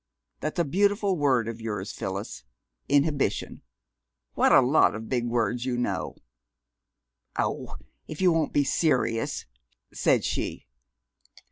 That's a beautiful word of yours, Phyllis, inhibition. What a lot of big words you know!" "Oh, if you won't be serious!" said she.